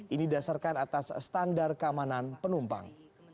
ini dasarkan atas standar keamanan penumpang